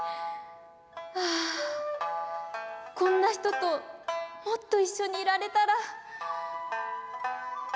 あこんな人ともっと一緒にいられたら。